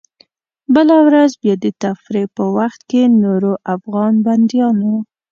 بله ورځ بیا د تفریح په وخت کې نورو افغان بندیانو.